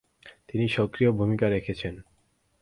তিনি সক্রিয় ভূমিকা রেখেছেন।